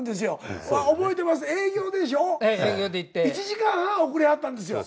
１時間半遅れはったんですよ。